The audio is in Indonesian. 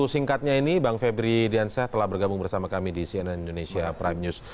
singkatnya ini bang febri diansyah telah bergabung bersama kami di cnn indonesia prime news